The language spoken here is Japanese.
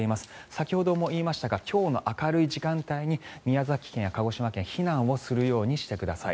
先ほども言いましたが今日の明るい時間帯に宮崎県や鹿児島県避難をするようにしてください。